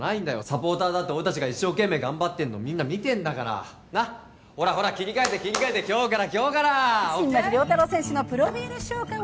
サポーターだって俺達が一生懸命頑張ってんのみんな見てんだからなっほらほら切り替えて切り替えて今日から今日から新町亮太郎選手のプロフィール紹介！